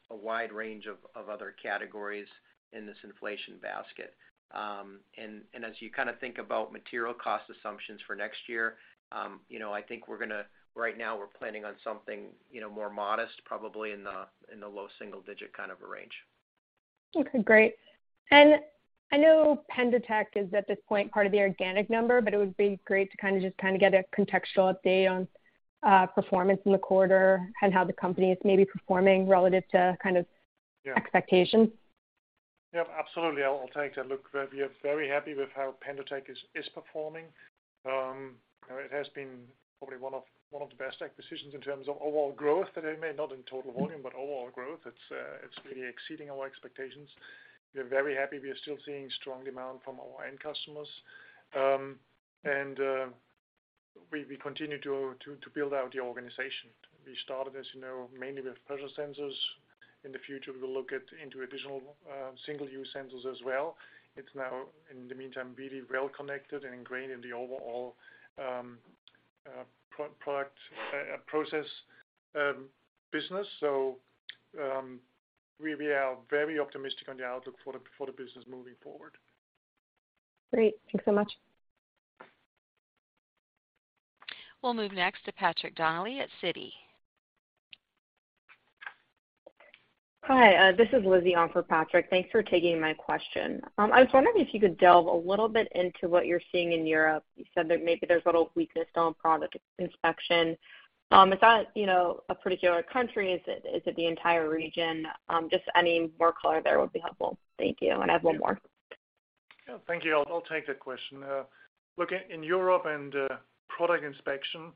a wide range of other categories in this inflation basket. As you kind of think about material cost assumptions for next year, you know, I think right now we're planning on something, you know, more modest, probably in the low single digit kind of a range. Okay, great. I know PendoTECH is at this point part of the organic number, but it would be great to kind of just get a contextual update on performance in the quarter and how the company is maybe performing relative to kind of. Yeah. -expectations. Yep, absolutely. I'll take that. Look, we are very happy with how PendoTECH is performing. It has been probably one of the best acquisitions in terms of overall growth that they made, not in total volume, but overall growth. It's really exceeding our expectations. We're very happy. We are still seeing strong demand from our end customers. We continue to build out the organization. We started, as you know, mainly with Pressure Sensors. In the future, we'll look into additional Single-Use Sensors as well. It's now, in the meantime, really well connected and ingrained in the overall process business. We are very optimistic on the outlook for the business moving forward. Great. Thanks so much. We'll move next to Patrick Donnelly at Citi. Hi. This is Lizzie on for Patrick. Thanks for taking my question. I was wondering if you could delve a little bit into what you're seeing in Europe. You said that maybe there's a little weakness on Product Inspection. Is that, you know, a particular country? Is it the entire region? Just any more color there would be helpful. Thank you. And I have one more. Yeah. Thank you. I'll take that question. Look, in Europe and Product Inspection,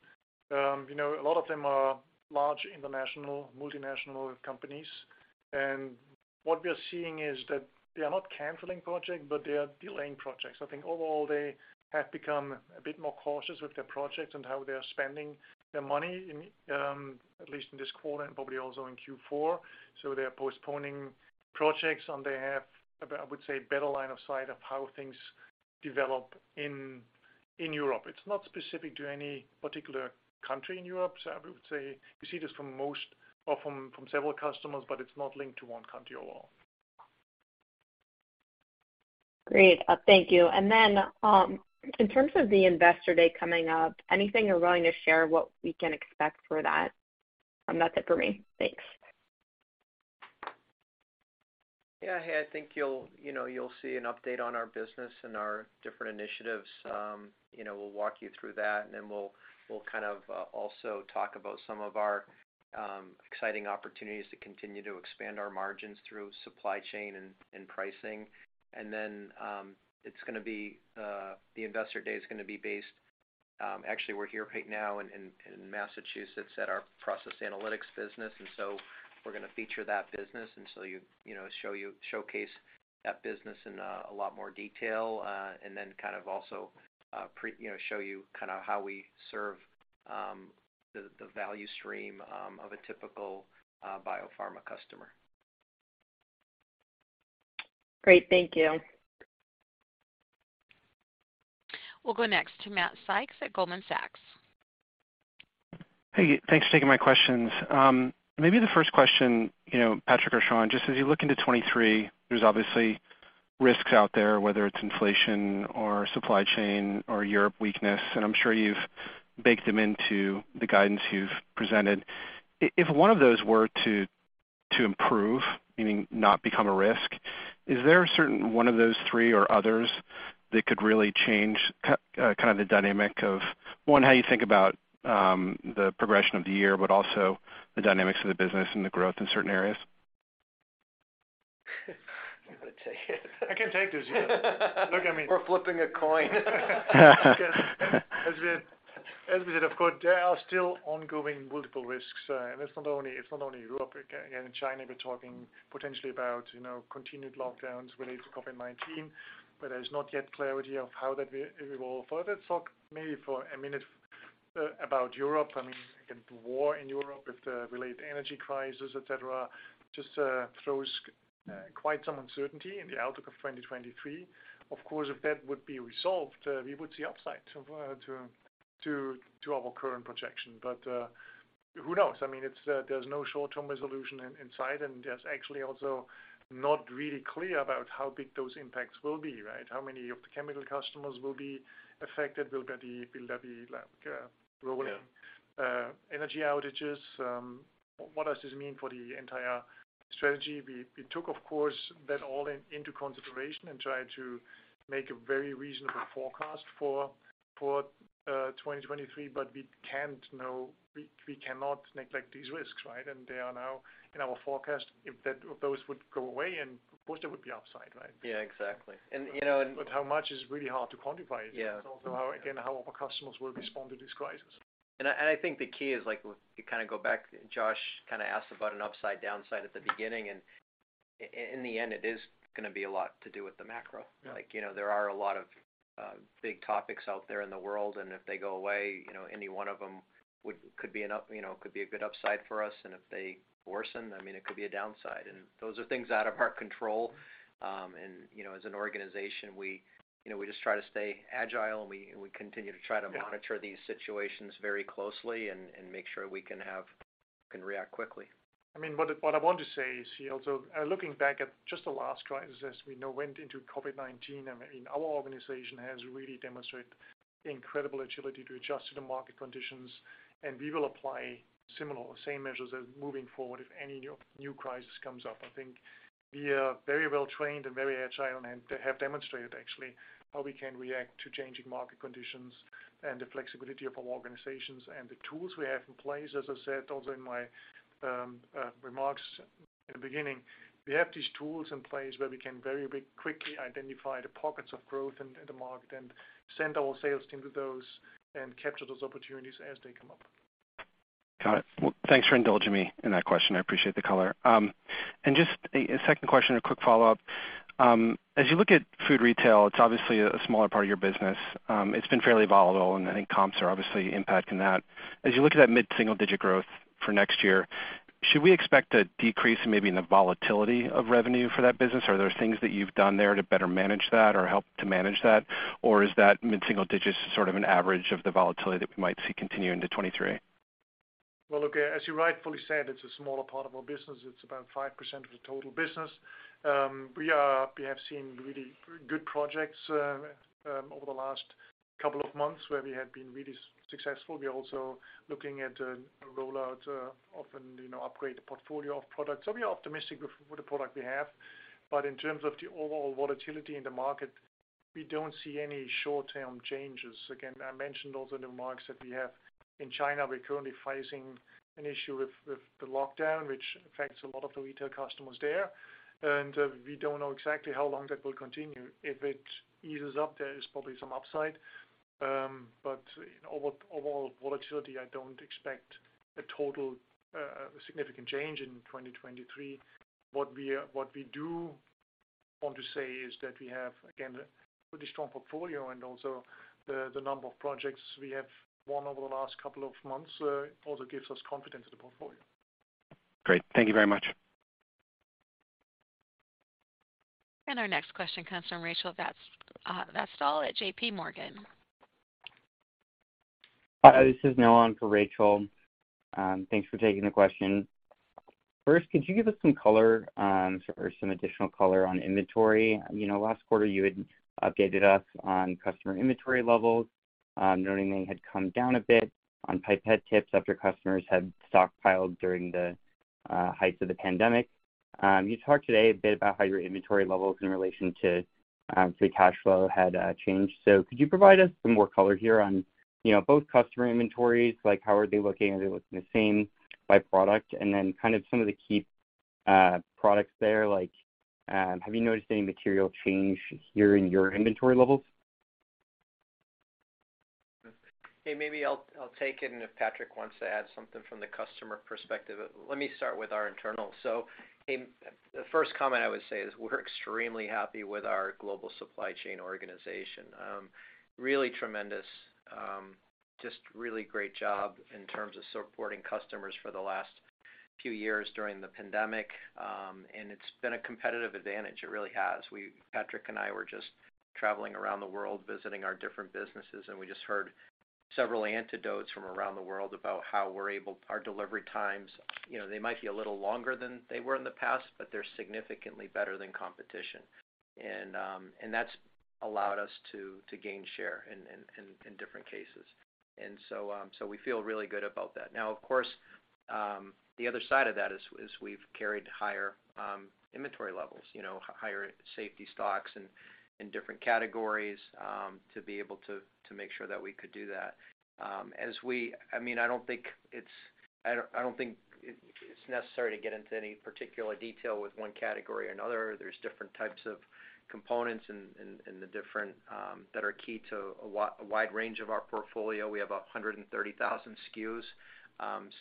you know, a lot of them are large international, multinational companies. What we are seeing is that they are not canceling projects, but they are delaying projects. I think overall, they have become a bit more cautious with their projects and how they are spending their money in at least this quarter and probably also in Q4. They are postponing projects, and they have, I would say, better line of sight of how things develop in Europe. It's not specific to any particular country in Europe. I would say you see this from most or from several customers, but it's not linked to one country overall. Great. Thank you. In terms of the Investor Day coming up, anything you're willing to share what we can expect for that? That's it for me. Thanks. Yeah. Hey, I think you'll, you know, you'll see an update on our business and our different initiatives. You know, we'll walk you through that, and then we'll kind of also talk about some of our exciting opportunities to continue to expand our margins through supply chain and pricing. It's gonna be the Investor Day is gonna be based. Actually, we're here right now in Massachusetts at our Process Analytics business, and so we're gonna feature that business. You know, showcase that business in a lot more detail, and then kind of also show you kind of how we serve the value stream of a typical biopharma customer. Great. Thank you. We'll go next to Matthew Sykes at Goldman Sachs. Hey, thanks for taking my questions. Maybe the first question, you know, Patrick or Shawn, just as you look into 2023, there's obviously risks out there, whether it's inflation or supply chain or Europe weakness, and I'm sure you've baked them into the guidance you've presented. If one of those were to improve, meaning not become a risk, is there a certain one of those three or others that could really change kind of the dynamic of, one, how you think about the progression of the year, but also the dynamics of the business and the growth in certain areas? You want to take it? I can take this, yeah. Look at me. We're flipping a coin. As we said, of course, there are still ongoing multiple risks. It's not only Europe. Again, in China, we're talking potentially about, you know, continued lockdowns related to COVID-19, but there's not yet clarity of how that will evolve further. Maybe for a minute about Europe, I mean, again, the war in Europe with the related energy crisis, et cetera, just throws quite some uncertainty in the outlook of 2023. Of course, if that would be resolved, we would see upside to our current projection. Who knows? I mean, there's no short-term resolution inside, and there's actually also not really clear about how big those impacts will be, right? How many of the chemical customers will be affected, will there be like rolling- Yeah Energy outages? What does this mean for the entire strategy? We took, of course, that all into consideration and tried to make a very reasonable forecast for 2023, but we can't know. We cannot neglect these risks, right? They are now in our forecast. If those would go away and of course there would be upside, right? Yeah, exactly. You know, How much is really hard to quantify. Yeah. It's also how, again, our customers will respond to this crisis. I think the key is like, you kind of go back, Josh kind of asked about an upside, downside at the beginning, and in the end, it is gonna be a lot to do with the macro. Yeah. Like, you know, there are a lot of big topics out there in the world, and if they go away, you know, any one of them could be an up, you know, could be a good upside for us. If they worsen, I mean, it could be a downside. Those are things out of our control. You know, as an organization, we, you know, we just try to stay agile and we continue to try to monitor. Yeah These situations very closely and make sure we can react quickly. I mean, what I want to say is, you know, looking back at just the last crisis, as we know went into COVID-19, our organization has really demonstrated incredible agility to adjust to the market conditions, and we will apply similar or same measures as moving forward if any new crisis comes up. I think we are very well trained and very agile and have demonstrated actually how we can react to changing market conditions and the flexibility of our organizations and the tools we have in place. As I said, also in my remarks in the beginning, we have these tools in place where we can very quickly identify the pockets of growth in the market and send our sales team to those and capture those opportunities as they come up. Got it. Well, thanks for indulging me in that question. I appreciate the color. Just a second question, a quick follow-up. As you look at Food Retail, it's obviously a smaller part of your business. It's been fairly volatile, and I think comps are obviously impacting that. As you look at that mid-single-digit growth for next year, should we expect a decrease maybe in the volatility of revenue for that business? Are there things that you've done there to better manage that or help to manage that? Or is that mid-single digits sort of an average of the volatility that we might see continue into 2023? Well, look, as you rightfully said, it's a smaller part of our business. It's about 5% of the total business. We have seen really good projects over the last couple of months where we have been really successful. We're also looking at a rollout, you know, of an upgraded portfolio of products. We are optimistic with the product we have. But in terms of the overall volatility in the market, we don't see any short-term changes. Again, I mentioned also in the remarks that we have in China, we're currently facing an issue with the lockdown, which affects a lot of the retail customers there. We don't know exactly how long that will continue. If it eases up, there is probably some upside. In overall volatility, I don't expect a total significant change in 2023. What we do want to say is that we have, again, a pretty strong portfolio and also the number of projects we have won over the last couple of months also gives us confidence in the portfolio. Great. Thank you very much. Our next question comes from Rachel Vatnsdal at JPMorgan. Hi, this is Nolan for Rachel. Thanks for taking the question. First, could you give us some color or some additional color on inventory? You know, last quarter, you had updated us on customer inventory levels, noting they had come down a bit on Pipette Tips after customers had stockpiled during the heights of the pandemic. You talked today a bit about how your inventory levels in relation to free cash flow had changed. Could you provide us some more color here on, you know, both customer inventories, like how are they looking? Are they looking the same by product? And then kind of some of the key products there, like, have you noticed any material change here in your inventory levels? Hey, maybe I'll take it, and if Patrick wants to add something from the customer perspective. Let me start with our internal. Hey, the first comment I would say is we're extremely happy with our global supply chain organization. Really tremendous, just really great job in terms of supporting customers for the last few years during the pandemic. It's been a competitive advantage, it really has. Patrick and I were just traveling around the world visiting our different businesses, and we just heard several anecdotes from around the world about how we're able. Our delivery times, you know, they might be a little longer than they were in the past, but they're significantly better than competition. That's allowed us to gain share in different cases. We feel really good about that. Now, of course, the other side of that is we've carried higher inventory levels, you know, higher safety stocks in different categories to be able to make sure that we could do that. I mean, I don't think it's necessary to get into any particular detail with one category or another. There's different types of components and the different that are key to a wide range of our portfolio. We have 130,000 SKUs.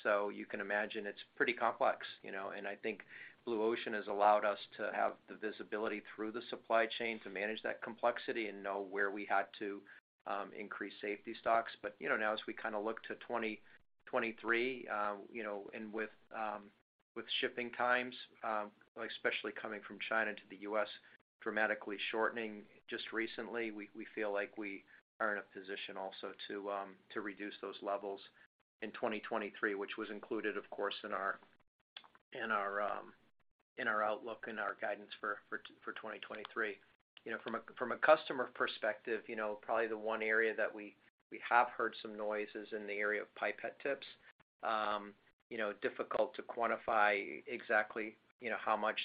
So you can imagine it's pretty complex, you know. I think Blue Ocean has allowed us to have the visibility through the supply chain to manage that complexity and know where we had to increase safety stocks. You know, now as we kinda look to 2023, you know, and with shipping times, especially coming from China to the US dramatically shortening just recently, we feel like we are in a position also to reduce those levels in 2023, which was included, of course, in our outlook and our guidance for 2023. You know, from a customer perspective, you know, probably the one area that we have heard some noise is in the area of Pipette Tips. You know, difficult to quantify exactly, you know, how much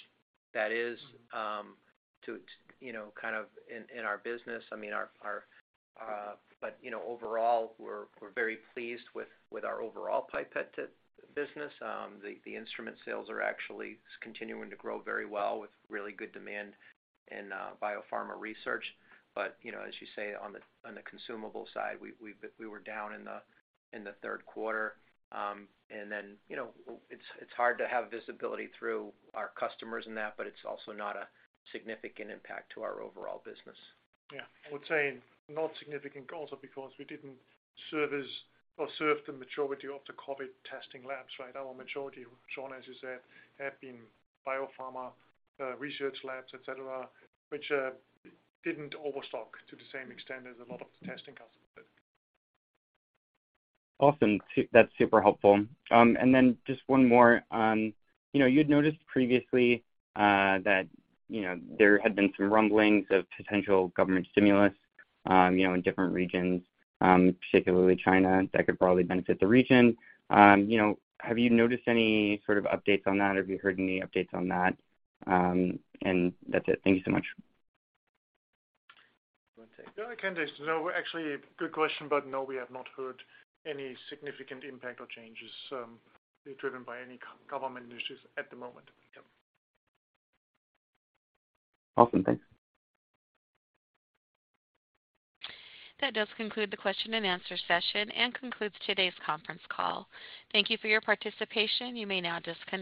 that is, to know kind of in our business. I mean, our. You know, overall, we're very pleased with our overall Pipette Tips business. The instrument sales are actually continuing to grow very well with really good demand in biopharma research. You know, as you say, on the consumable side, we were down in the third quarter. You know, it's hard to have visibility through our customers in that, but it's also not a significant impact to our overall business. Yeah. I would say not significant also because we didn't serve as or serve the majority of the COVID testing labs, right? Our majority, Shawn, as you said, have been biopharma, research labs, et cetera, which didn't overstock to the same extent as a lot of the testing customers did. Awesome. That's super helpful. Just one more. You know, you'd noticed previously that there had been some rumblings of potential government stimulus, you know, in different regions, particularly China, that could probably benefit the region. You know, have you noticed any sort of updates on that? Have you heard any updates on that? That's it. Thank you so much. You wanna take it? Yeah, I can. Actually, good question, but no, we have not heard any significant impact or changes, driven by any government issues at the moment. Yeah. Awesome. Thanks. That does conclude the question and answer session and concludes today's conference call. Thank you for your participation. You may now disconnect.